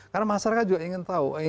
karena masyarakat juga ingin tahu